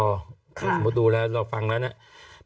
สมมุติดูแล้วลองฟังแล้วเนี่ย